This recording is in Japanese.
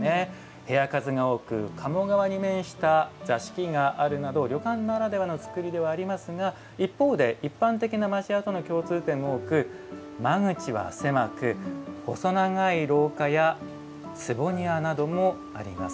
部屋数が多く鴨川に面した座敷があるなど旅館ならではのつくりではありますが一方で一般的な町家との共通点も多く間口は狭く細長い廊下や坪庭などもあります。